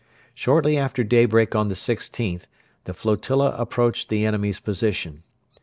Shortly after daybreak on the 16th the flotilla approached the enemy's position.